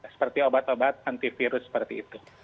seperti obat obat antivirus seperti itu